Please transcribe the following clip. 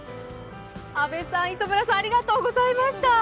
阿部さん、磯村さんありがとうございました。